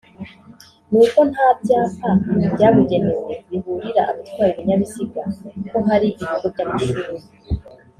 ni uko nta byapa byabugenewe biburira abatwaye ibinyabiziga ko hari ibigo by’amashuri